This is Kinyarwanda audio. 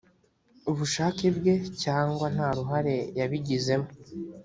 ubushake bwe cyangwa nta ruhare yabigizemo